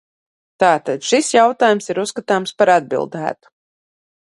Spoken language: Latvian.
Tātad šis jautājums ir uzskatāms par atbildētu.